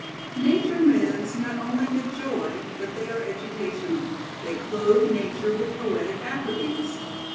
Nature myths not only give joy, but they are educational — they clothe nature with poetic at tributes.